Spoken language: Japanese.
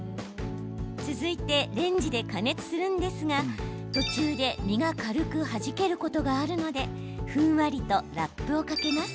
続いてレンジで加熱するんですが途中で身が軽く弾けることがあるのでふんわりとラップをかけます。